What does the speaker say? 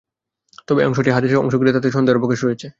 তবে এ অংশটি হাদীসের অংশ কিনা তাতে সন্দেহের অবকাশ রয়েছে।